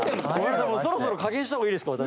そろそろ加減した方がいいですか？